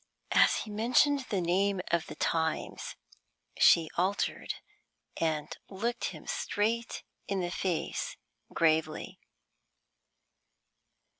As he mentioned the name of the Times she altered and looked him straight in the face gravely.